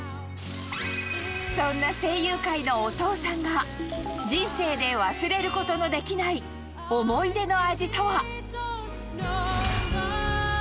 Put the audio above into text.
そんな声優界のお父さんが、人生で忘れることのできない思い出の味とは。